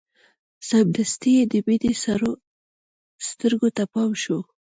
سمدستي يې د مينې سرو سترګو ته پام شو.